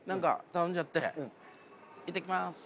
行ってきます。